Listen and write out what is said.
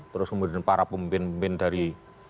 terus kemudian para pemimpin pemimpin dari